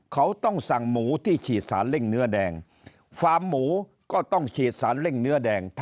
เขาต้องสั่งหมูที่ฉีดสารเร่งเนื้อแดงฟาร์มหมูก็ต้องฉีดสารเร่งเนื้อแดง